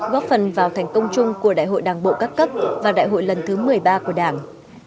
góp phần vào thành công chung của đại hội đảng bộ các cấp và đại hội lần thứ một mươi ba của đảng